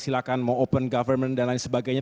silahkan mau open government dan lain sebagainya